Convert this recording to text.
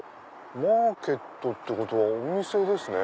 マーケットってことはお店ですね。